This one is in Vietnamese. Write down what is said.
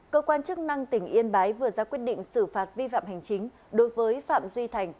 cơ quan chức năng tỉnh yên bái vừa ra quyết định xử phạt vi phạm hành chính đối với phạm duy thành